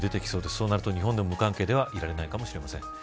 そうなると日本も無関係ではいられないかもしれません。